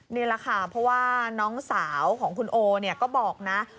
นี่ล่ะค่ะเพราะว่าน้องสาวของคุณโอจะบอกนะ